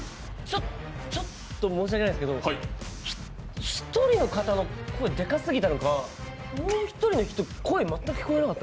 ちょっと、申し訳ないですけど、１人の方の声、デカすぎたのかもう一人の人、声全く聞こえなかった。